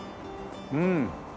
うん。